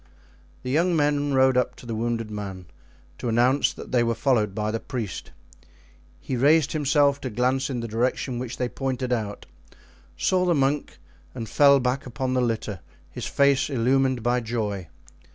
The young men rode up to the wounded man to announce that they were followed by the priest. He raised himself to glance in the direction which they pointed out, saw the monk, and fell back upon the litter, his face illumined by joy.